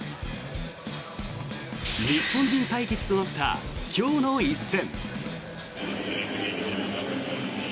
日本人対決となった今日の一戦。